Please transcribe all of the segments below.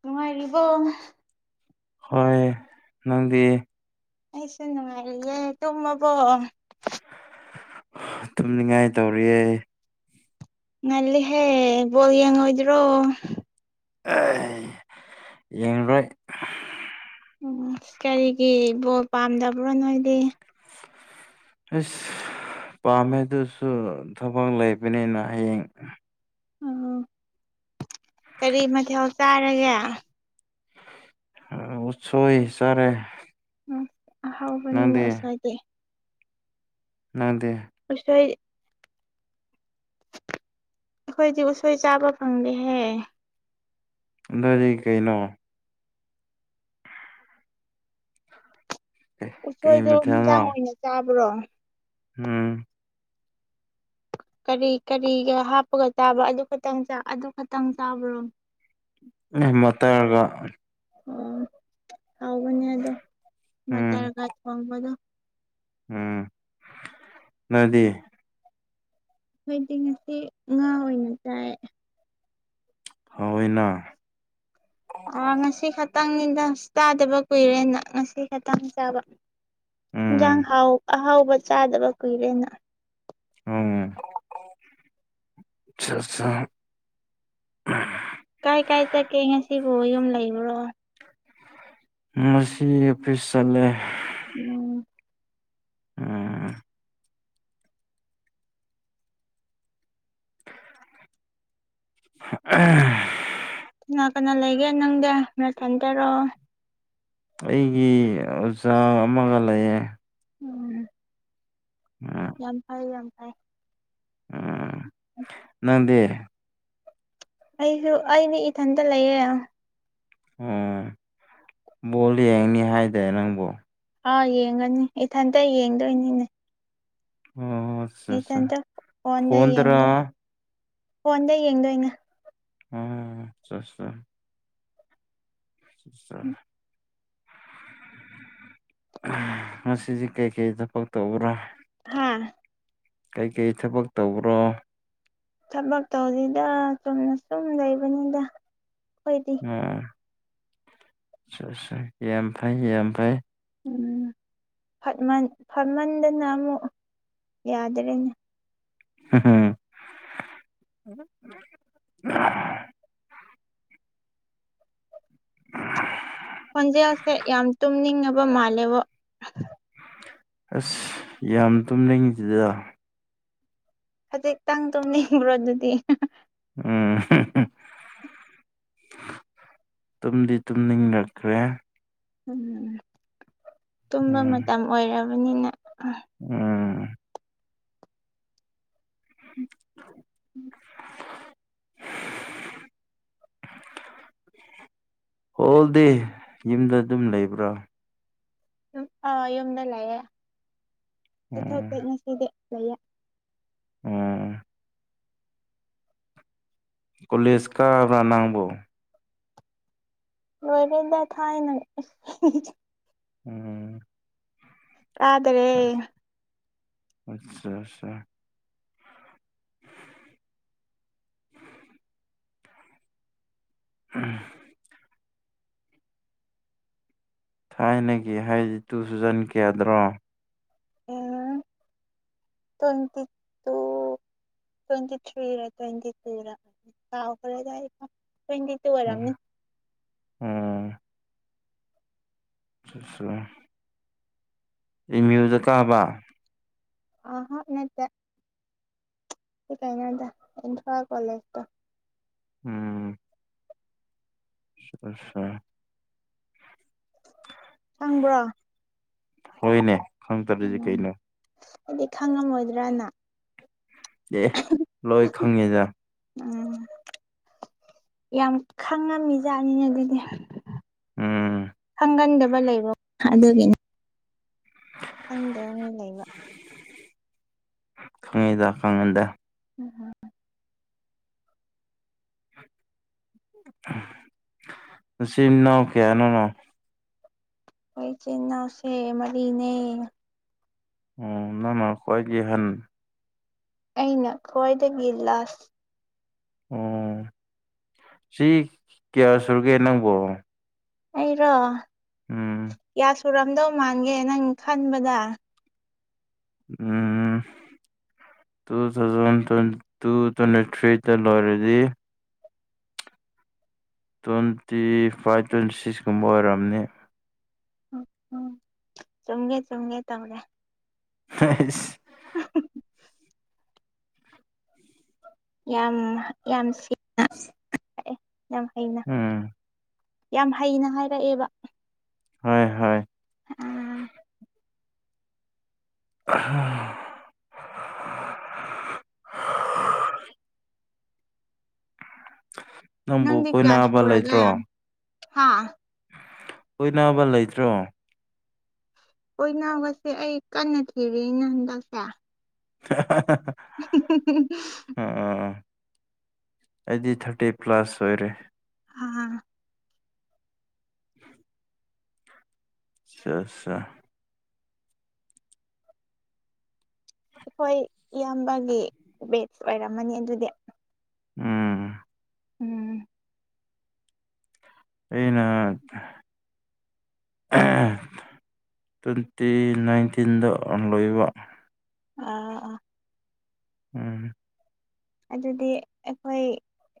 ꯅꯨꯡꯉꯥꯏꯔꯤꯕꯣ ꯍꯣꯏ ꯅꯪꯗꯤ ꯑꯩꯁꯨ ꯅꯨꯡꯉꯥꯏꯔꯤꯌꯦ ꯇꯨꯝꯃꯕꯣ ꯇꯨꯝꯅꯤꯡꯉꯥꯏ ꯇꯧꯔꯤꯌꯦ ꯅꯜꯂꯤ ꯍꯦ ꯕꯣꯜ ꯌꯦꯡꯉꯣꯏꯗ꯭ꯔꯣ ꯌꯦꯡꯔꯣꯏ ꯎ ꯀꯔꯤꯒꯤ ꯕꯣꯜ ꯄꯥꯝꯗꯕ꯭ꯔꯣ ꯅꯣꯏꯗꯤ ꯑꯁ ꯄꯥꯝꯃꯦ ꯑꯗꯨꯁꯨ ꯊꯕꯛ ꯂꯩꯕꯅꯤꯅ ꯍꯌꯦꯡ ꯎꯝ ꯀꯔꯤ ꯃꯊꯦꯜ ꯆꯥꯔꯒꯦ ꯎꯠꯁꯣꯏ ꯆꯔꯦ ꯎ ꯍꯥꯎꯕꯅꯤꯅ ꯎꯁꯥꯏꯗꯤꯦ ꯅꯪꯗꯦ ꯑꯣꯁꯣꯏ ꯑꯩꯈꯣꯏꯗꯤ ꯎꯁꯣꯏ ꯆꯥꯕ ꯐꯪꯗꯦꯍꯦ ꯑꯗꯨꯗꯤ ꯀꯩꯅꯣ ꯀꯩ ꯎꯁꯣꯏꯗꯣ ꯃꯊꯦꯜꯅꯣ ꯍꯤꯟꯖꯥꯡ ꯑꯣꯏꯅ ꯆꯥꯕ꯭ꯔꯣ ꯎꯝ ꯀꯔꯤ ꯀꯔꯤꯒ ꯍꯥꯞꯄꯒ ꯆꯥꯕ ꯑꯗꯨ ꯈꯛꯇꯪ ꯑꯗꯨ ꯈꯛꯇꯪ ꯆꯥꯕ꯭ꯔꯣ ꯃꯇꯔ ꯒꯥ ꯑꯣ ꯍꯧꯕꯅꯦ ꯑꯗꯣ ꯎꯝ ꯃꯇꯥꯔꯒ ꯊꯣꯡꯕꯗꯣ ꯎꯝ ꯅꯗꯤ ꯑꯩꯗꯤ ꯉꯁꯤ ꯉꯥ ꯑꯣꯏꯅ ꯆꯥꯏ ꯍꯧꯏꯋꯦꯅꯥ ꯑꯥ ꯉꯁꯤ ꯈꯛꯇꯪꯅꯤꯗ ꯆꯥꯗꯕ ꯀꯨꯏꯔꯦꯅ ꯉꯁꯤ ꯈꯇꯪ ꯆꯥꯕ ꯏꯟꯖꯥꯡ ꯎꯝ ꯍꯥꯎ ꯑꯍꯥꯎꯕ ꯆꯥꯗꯕ ꯀꯨꯏꯔꯦꯅ ꯎꯝ ꯑꯆꯥꯆꯥ ꯀꯥꯏ ꯀꯥꯏ ꯆꯠꯀꯦ ꯉꯁꯤꯕꯨ ꯌꯨꯝ ꯂꯩꯕ꯭ꯔꯣ ꯉꯁꯤ ꯑꯣꯠꯠꯄꯤꯁ ꯆꯠꯂꯦ ꯎꯝ ꯎꯝ ꯑꯍꯟ ꯀꯅꯥ ꯀꯅꯥ ꯂꯩꯒꯦ ꯅꯪꯗ ꯅꯊꯟꯗꯔꯑꯣ ꯑꯩꯒꯤ ꯑꯣꯖꯥ ꯑꯃꯒ ꯂꯩꯌꯦ ꯎꯝ ꯎꯝ ꯌꯥꯝ ꯐꯩ ꯌꯥꯝ ꯐꯩ ꯎꯝ ꯅꯪꯗꯦ ꯑꯩꯁꯨ ꯑꯩꯗꯤ ꯏꯊꯟꯇ ꯂꯩꯌꯦꯦ ꯑꯣ ꯕꯣꯜ ꯌꯦꯡꯅꯤ ꯍꯥꯏꯗꯦ ꯅꯪꯕꯨꯣ ꯑꯥꯎ ꯌꯦꯡꯒꯅꯤ ꯏꯊꯟꯇ ꯌꯦꯡꯗꯣꯏꯅꯤꯅꯦ ꯑꯣ ꯑꯠꯆꯥ ꯑꯠꯆꯥ ꯏꯊꯟꯇ ꯐꯣꯟꯗ ꯐꯣꯟꯗꯔꯥ ꯌꯦꯡꯗꯣꯏ ꯐꯣꯟꯗ ꯌꯦꯡꯗꯣꯏꯅꯦ ꯑꯣ ꯆꯠꯁꯦ [unintelligible] ꯉꯁꯤꯗꯤ ꯀꯩꯀꯩ ꯊꯕꯛ ꯇꯧꯕ꯭ꯔꯥ [unintelligible] ꯀꯩꯀꯩ ꯊꯕꯛ ꯇꯧꯕ꯭ꯔꯣ ꯊꯕꯛ ꯇꯧꯗꯦꯗ ꯆꯨꯝꯅ ꯁꯨꯝ ꯂꯩꯕꯅꯤꯗ ꯑꯩꯈꯣꯏꯗꯤ [unintelligible] ꯌꯥꯝ ꯐꯩ ꯌꯥꯝ ꯐꯩ ꯎꯝ ꯐꯠꯃꯟ ꯐꯠꯃꯟꯗꯅ ꯑꯃꯨꯛ ꯌꯥꯗ꯭ꯔꯦꯅꯦ [unintelligible] ꯈꯣꯟꯖꯦꯜꯁꯦ ꯌꯥꯝ ꯇꯨꯝꯅꯤꯡꯉꯕ ꯃꯥꯜꯂꯦꯕꯣ ꯑꯁ ꯌꯥꯝ ꯇꯨꯝ ꯅꯤꯡ ꯗꯦꯗ ꯈꯖꯤꯛꯇꯪ ꯇꯨꯝꯅꯤꯡꯕ꯭ꯔꯣ ꯑꯗꯨꯗꯤ ꯎꯝ ꯇꯨꯝꯗꯤ ꯇꯨꯝꯅꯤꯡꯔꯛꯈ꯭ꯔꯦ ꯇꯨꯝꯕ ꯎꯝ ꯃꯇꯝ ꯑꯣꯏꯔꯕꯅꯤꯅ ꯍꯨꯝ ꯎꯝ [inaudible] [inaudible] ꯍꯣꯜ ꯗꯦ ꯌꯨꯝꯗ ꯑꯗꯨꯝ ꯂꯩꯕ꯭ꯔꯣ ꯑꯥ ꯌꯨꯝꯗ ꯂꯩꯌꯦ ꯎꯝ ꯆꯠꯊꯣꯛꯇꯦ ꯉꯁꯤꯗꯤ ꯂꯩꯌꯦ ꯎꯝ ꯀꯣꯂꯦꯖ ꯀꯥꯕ꯭ꯔꯥ ꯅꯪꯕꯣ ꯂꯣꯏꯔꯦꯗꯥ ꯊꯥꯏꯅ ꯑꯦꯁ ꯍꯤꯍꯤ ꯎꯝ ꯀꯥꯗꯔꯦ [unintelligible] [inaudible] ꯊꯥꯏꯅꯒꯤ ꯍꯥꯏꯗꯤ ꯇꯨꯊꯥꯎꯖꯟ ꯀꯌꯥꯗꯅꯣ [inaudible] ꯇꯣꯏꯟꯇꯤ ꯇꯨ ꯇ꯭ꯋꯦꯟꯇꯤ ꯊ꯭ꯔꯤꯔꯥ ꯇ꯭ꯋꯦꯟꯇꯤ ꯇꯨꯔꯥ ꯀꯥꯎꯈꯔꯦꯗ ꯑꯩ ꯇ꯭ꯋꯦꯟꯇꯤ ꯇꯨ ꯎꯝ ꯑꯣꯏꯔꯝꯅꯤ ꯎꯝ [unintelligible] ꯑꯦꯝꯃ꯭ꯌꯨꯗ ꯀꯥꯕ ꯑꯍꯥ ꯅꯠꯇꯦ ꯀꯥꯏꯅꯣꯗ ꯏꯝꯐꯥꯜ ꯀꯣꯂꯦꯖ ꯇ ꯎꯝ [unintelligible] ꯈꯪꯕ꯭ꯔꯣ ꯍꯣꯏꯅꯦ ꯈꯪꯇꯗꯗꯤ ꯀꯩꯅꯣ ꯑꯩꯗꯤ ꯈꯪꯉꯝꯃꯣꯏꯗ꯭ꯔꯅ ꯑꯦ ꯂꯣꯏ ꯈꯪꯉꯤꯗ ꯎꯝ ꯌꯥꯝ ꯈꯪꯉꯝꯃꯤꯖꯥꯠꯅꯤꯅꯦ ꯑꯗꯨꯗꯤ ꯎꯝ ꯈꯪꯒꯟꯗꯕ ꯂꯩꯕ ꯑꯗꯨꯒꯤꯅꯤ [inaudible] ꯈꯪꯗꯕ ꯃꯤ ꯂꯩꯕ ꯈꯪꯉꯤꯗ ꯈꯪꯉꯟꯗ [unintelligible] ꯅꯆꯤꯟ ꯅꯥꯎ ꯀꯌꯥꯅꯣ ꯑꯈꯣꯏ ꯏꯆꯤꯟꯅꯥꯎꯁꯦ ꯃꯔꯤꯅꯦ ꯑꯣ ꯅꯪꯅ ꯈ꯭ꯋꯥꯏꯒꯤ ꯑꯍꯟ ꯑꯩꯅ ꯈ꯭ꯋꯥꯏꯗꯒꯤ ꯂꯥꯁ ꯑꯣ ꯆꯍꯤ ꯀꯌꯥ ꯁꯨꯔꯒꯦ ꯅꯪꯕꯣ ꯑꯩꯔꯣ ꯎꯝ ꯀꯌꯥ ꯁꯨꯔꯝꯗꯧ ꯃꯥꯟꯒꯦ ꯅꯪ ꯈꯟꯕꯗ ꯎꯝ ꯇꯨ ꯊꯥꯎꯖꯟ ꯇ꯭ꯋꯦꯟꯇꯨ ꯇ꯭ꯋꯦꯟꯇꯤ ꯊ꯭ꯔꯤꯗ ꯂꯣꯏꯔꯗꯤ ꯇ꯭ꯋꯦꯟꯇꯤ ꯐꯥꯏꯚ ꯇ꯭ꯋꯦꯟꯇꯤ ꯁꯤꯛꯁ ꯀꯨꯝꯕ ꯑꯣꯏꯔꯝꯅꯤ ꯎꯝ ꯆꯨꯝꯒꯦ ꯆꯨꯝꯒꯦ ꯇꯧꯔꯦ ꯍꯩꯁ [unintelligible] ꯌꯥꯝ ꯌꯥꯝ [unintelligible] ꯌꯥꯝ ꯍꯩꯅ ꯎꯝ ꯌꯥꯝ ꯍꯩꯅ ꯍꯥꯏꯔꯛꯑꯦꯕ ꯍꯣꯏ ꯍꯣꯏ ꯑꯥ ꯑꯍꯥ ꯅꯪꯕꯨ ꯀꯣꯏꯅꯕ ꯂꯩꯇ꯭ꯔꯣ ꯍꯥꯥ ꯀꯣꯏꯅꯕ ꯂꯩꯇ꯭ꯔꯣ ꯀꯣꯏꯅꯕꯁꯦ ꯑꯩ ꯀꯟꯅ ꯊꯤꯔꯤꯅꯦ ꯍꯟꯗꯛꯁꯦ [unintelligible] [unintelligible] ꯑꯣ ꯑꯣ ꯑꯩꯗꯤ ꯊꯥꯔꯇꯤ ꯄ꯭ꯂꯁ ꯑꯣꯏꯔꯦ ꯑꯥ [inaudible] ꯆꯠꯁꯥ ꯑꯩꯈꯣꯏ ꯏꯌꯥꯝꯕꯒꯤ ꯕꯦꯠꯆ ꯑꯣꯏꯔꯝꯃꯅꯤ ꯑꯗꯨꯗꯤ ꯎꯝ ꯎꯝ ꯑꯩꯅ ꯇ꯭ꯋꯦꯟꯇꯤ ꯅꯥꯏꯟꯇꯤꯟꯗ ꯑꯪ ꯂꯣꯏꯕ ꯑꯥ ꯑꯥ ꯎꯝ ꯑꯗꯨꯗꯤ ꯑꯩꯈꯣꯏ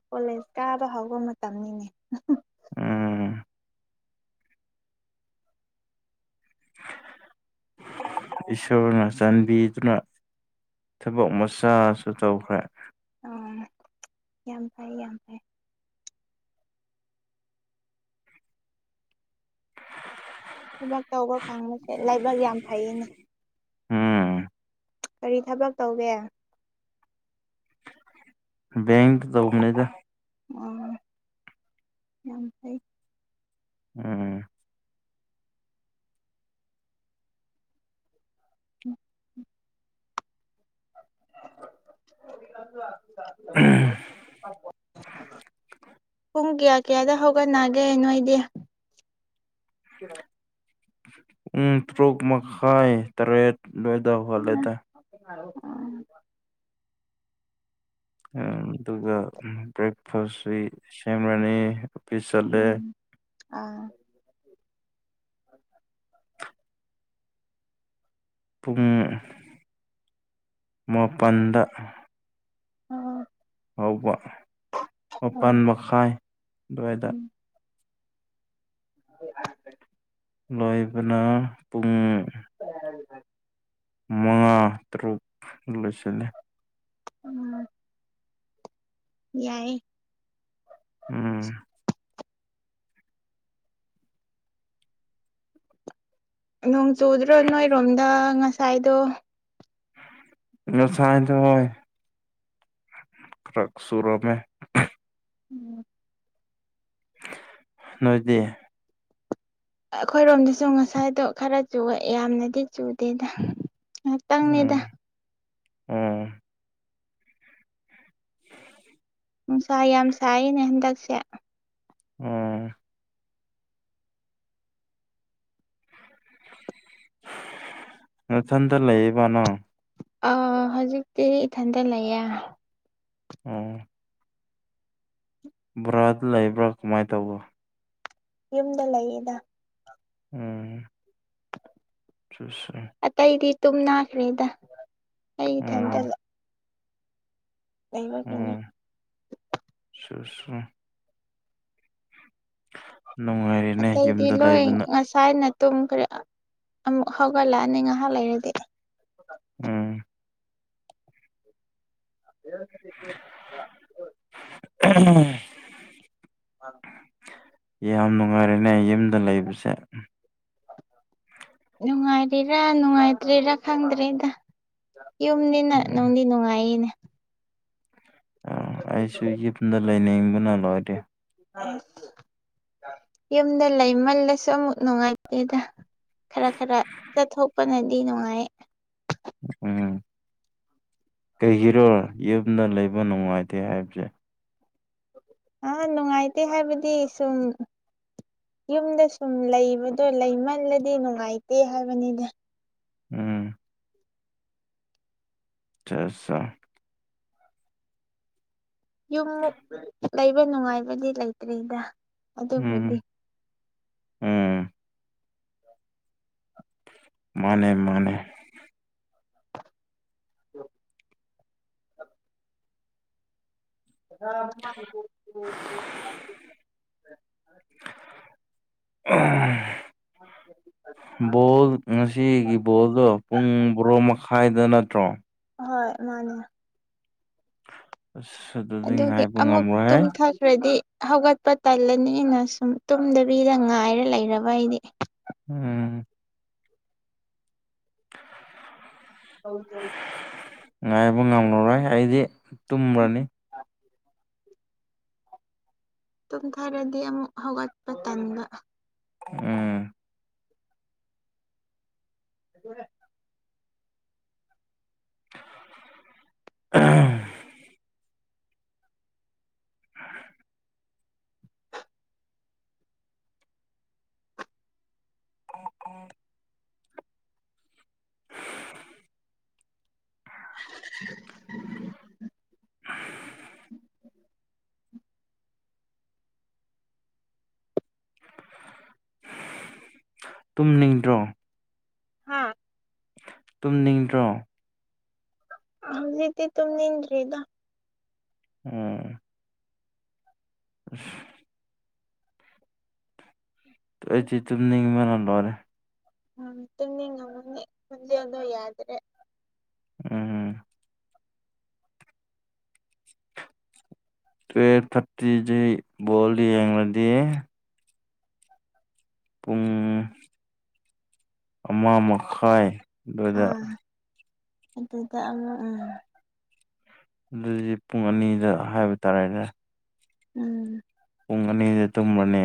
ꯀꯣꯂꯦꯖ ꯀꯥꯕ ꯍꯧꯕ ꯃꯇꯝꯅꯤꯅꯦ ꯎꯝ [unintelligible] ꯏꯁꯣꯔꯅ ꯆꯥꯟꯕꯤꯗꯨꯅ ꯊꯕꯛ ꯃꯆꯥꯁꯨ ꯇꯧꯈ꯭ꯔꯦ ꯑꯣ ꯌꯥꯝ ꯐꯩ ꯌꯥꯝ ꯐꯩ ꯊꯕꯛ ꯇꯧꯕ ꯐꯪꯕꯁꯦ ꯂꯥꯏꯕꯛ ꯌꯥꯝ ꯐꯩꯅꯦ ꯎꯝ ꯀꯔꯤ ꯊꯕꯛ ꯇꯧꯒꯦ ꯕꯦꯡꯇꯥꯥ ꯇꯧꯕꯅꯤꯗ ꯑꯣ ꯌꯥꯝ ꯐꯩ ꯎꯝ ꯎꯝ [unintelligible] ꯄꯨꯡ ꯀꯌꯥ ꯀꯌꯥꯗ ꯍꯧꯒꯠꯅꯒꯦ ꯅꯣꯏꯗꯤ ꯄꯨꯡ ꯇꯔꯨꯛ ꯃꯈꯥꯏ ꯇꯔꯦꯠ ꯑꯗꯨꯋꯥꯏꯗ ꯍꯧꯒꯠꯂꯦꯗ [unintelligible] ꯑꯗꯨꯒ ꯕ꯭ꯔꯦꯛꯐꯥꯁꯁꯤ ꯁꯦꯝꯃꯅꯤ ꯎꯝ ꯑꯥ ꯄꯨꯡ ꯃꯥꯄꯜꯗ ꯑꯣ ꯍꯧꯕ ꯑꯣ ꯃꯥꯄꯟ ꯃꯈꯥꯏ ꯑꯗꯨꯋꯥꯏꯗ ꯎꯝ [unintelligible] ꯂꯣꯏꯕꯅ ꯄꯨꯡ [unintelligible] ꯃꯉꯥ ꯇꯔꯨꯛ ꯂꯣꯏꯁꯤꯜꯂꯦ ꯎꯝ ꯌꯥꯏꯌꯦ ꯎꯝ ꯅꯣꯡ ꯆꯨꯗ꯭ꯔꯣ ꯅꯣꯏꯔꯣꯝꯗ ꯉꯁꯥꯏꯗꯣ ꯉꯁꯥꯏꯗꯣ ꯈꯔ ꯆꯨꯔꯝꯃꯦ ꯎꯝ ꯅꯣꯏꯗꯤ ꯑꯩꯈꯣꯏꯔꯣꯝꯗꯁꯨ ꯉꯁꯥꯏꯗꯣ ꯈꯔ ꯆꯨꯏꯌꯦ ꯌꯥꯝꯅꯗꯤ ꯆꯨꯗꯦꯗ ꯎꯝ ꯑꯣ ꯅꯨꯡꯁꯥ ꯌꯥꯝ ꯁꯥꯏꯅꯦ ꯍꯟꯗꯛꯁꯦ ꯎꯝ ꯅꯊꯟꯇ ꯂꯩꯌꯦꯕ ꯅꯪ ꯑ ꯍꯧꯖꯤꯛꯇꯤ ꯏꯊꯟꯇ ꯂꯩꯌꯦ ꯑꯣ ꯚꯔꯥꯗ ꯂꯩꯕ꯭ꯔꯥ ꯀꯃꯥꯏꯅ ꯇꯧꯕ ꯌꯨꯝꯗ ꯂꯩꯌꯦꯗ ꯎꯝ [unintelligible] ꯑꯇꯩꯗꯤ ꯇꯨꯝꯅꯥꯈ꯭ꯔꯦꯗ ꯑꯩ ꯏꯊꯟꯇ ꯎꯝ ꯂꯩꯕꯒꯤꯅ ꯎꯝ [unintelligible] ꯅꯨꯡꯉꯥꯏꯔꯦꯅꯦ ꯌꯨꯝꯗ ꯂꯩꯕꯅ ꯁꯥꯏꯅ ꯇꯨꯝ ꯈꯔ ꯑꯃꯨꯛ ꯍꯧꯒꯠꯂꯛꯑꯅꯤ ꯉꯥꯏꯍꯥꯛ ꯂꯩꯔꯗꯤ ꯎꯝ [unintelligible] [unintelligible] [unintelligible] ꯌꯥꯝ ꯅꯨꯡꯉꯥꯏꯔꯦꯅꯦ ꯑꯩ ꯌꯨꯝꯗ ꯂꯩꯕꯁꯦ ꯅꯨꯡꯉꯥꯏꯔꯤꯔꯥ ꯅꯨꯡꯉꯥꯏꯇ꯭ꯔꯤꯔꯥ ꯈꯪꯗ꯭ꯔꯦꯗ ꯌꯨꯝꯅꯤꯅ ꯎꯝ ꯅꯨꯡꯗꯤ ꯅꯨꯡꯉꯥꯏꯌꯦꯅꯦ ꯑ ꯑꯩꯁꯨ ꯌꯨꯝꯗ ꯂꯩꯅꯤꯡꯕꯅ ꯂꯣꯏꯔꯦ ꯌꯨꯝꯗ ꯂꯩꯃꯜꯂꯁꯨ ꯑꯃꯨꯛ ꯅꯨꯡꯉꯥꯏꯇꯦꯗ ꯈꯔ ꯈꯔ ꯆꯠꯊꯣꯛꯄꯅꯗꯤ ꯅꯨꯡꯉꯥꯏ ꯎꯝ ꯀꯩꯒꯤꯔꯣ ꯌꯨꯝꯗ ꯂꯩꯕ ꯅꯨꯉꯥꯏꯇꯦ ꯍꯥꯏꯕꯁꯦ ꯑ ꯅꯨꯉꯥꯏꯇꯦ ꯍꯥꯏꯕꯗꯤ ꯁꯨꯝ ꯌꯨꯝꯗ ꯁꯨꯝ ꯂꯩꯕꯗꯣ ꯂꯩꯃꯜꯂꯗꯤ ꯅꯨꯉꯥꯏꯇꯦ ꯍꯥꯏꯕꯅꯤꯗ ꯎꯝ ꯆ ꯁꯥ ꯌꯨꯝꯃꯨꯛ ꯂꯩꯕ ꯅꯨꯉꯥꯏꯕꯗꯤ ꯂꯩꯇ꯭ꯔꯤꯗ ꯎꯝ ꯑꯗꯨꯕꯨꯗꯤ ꯎꯝ ꯃꯥꯅꯦ ꯃꯥꯅꯦ [unintelligible] [unintelligible] [unintelligible] [unintelligible] ꯕꯣꯜ ꯉꯁꯤꯒꯤ ꯕꯣꯜꯗꯣ ꯄꯨꯡ ꯕꯣꯔꯣ ꯃꯈꯥꯏꯗ ꯅꯠꯇ꯭ꯔꯣ ꯍꯣꯏ ꯃꯥꯅꯦ ꯑꯁ ꯑꯗꯨ ꯑꯗꯨꯒꯤ ꯑꯃꯨꯛ ꯇꯨꯝꯊꯠ ꯈ꯭ꯔꯗꯤ ꯍꯧꯒꯠꯄ ꯇꯜꯂꯅꯦꯅ ꯁꯨꯝ ꯇꯨꯝꯗꯕꯤꯗ ꯉꯥꯏꯔ ꯂꯩꯔꯕ ꯑꯩꯗꯤ ꯎꯝ [unintelligible] ꯉꯥꯏꯕ ꯉꯝꯃꯔꯣꯏ ꯑꯩꯗꯤ ꯇꯨꯝꯔꯅꯤ ꯇꯨꯝꯊꯔꯗꯤ ꯑꯃꯨꯛ ꯍꯧꯒꯠꯄ ꯇꯟꯕ ꯎꯝ [unintelligible] [unintelligible] [unintelligible] [unintelligible] ꯇꯨꯝꯅꯤꯡꯗ꯭ꯔꯣ ꯍꯥꯥ ꯇꯨꯝꯅꯤꯡꯗ꯭ꯔꯣ ꯍꯧꯖꯤꯛꯇꯤ ꯇꯨꯝꯅꯤꯡꯗ꯭ꯔꯤꯗ ꯎꯝ ꯑꯁ ꯑꯩꯆꯤ ꯇꯨꯝꯅꯤꯡꯕꯅ ꯂꯣꯢꯔꯦ ꯎꯝ ꯇꯨꯝꯅꯤꯡ ꯉꯝꯃꯅꯤ ꯈꯣꯟꯖꯦꯟꯗꯣ ꯌꯥꯗꯔꯦ ꯎꯝ ꯇꯨꯌꯦꯞ ꯊꯥꯔꯇꯤꯗꯤ ꯕꯣꯜ ꯌꯦꯡꯂꯗꯤ ꯄꯨꯡ ꯑꯃ ꯃꯈꯥꯏ ꯑꯗꯨꯗ ꯑꯥ ꯑꯗꯨꯗ ꯑꯃꯨꯛ ꯑꯥ ꯑꯗꯨꯏꯗꯤ ꯄꯨꯡ ꯑꯅꯤꯗ ꯍꯥꯏꯕ ꯇꯥꯔꯦꯅꯦ ꯎꯝ ꯄꯨꯡ ꯑꯅꯤꯗ ꯇꯨꯝꯃꯅꯦ